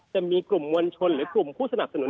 จะมีกลุ่มมวลชนหรือกลุ่มผู้สนับสนุน